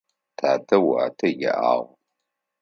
Татэ уатэ иӏагъ.